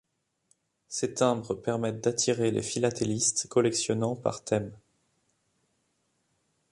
Ces timbres permettent d'attirer les philatélistes collectionnant par thèmes.